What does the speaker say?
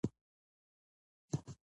د مومندو یو لښکر یې جوړ کړ.